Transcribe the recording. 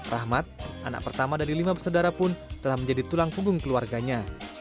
rahmat anak pertama dari lima bersaudara pun telah menjadi tulang punggung keluarganya